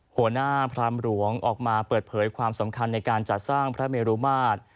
หัวหน้าพรามหลวงออกมาเปิดเผยความสำคัญในการจัดสร้างพระเมรุมาตร